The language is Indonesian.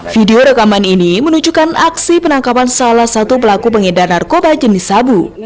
video rekaman ini menunjukkan aksi penangkapan salah satu pelaku pengedar narkoba jenis sabu